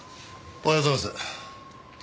おはようございます。